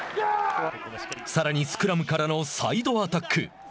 さらにスクラムからのサイドアタック。